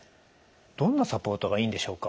どんなサポートがいいんでしょうか？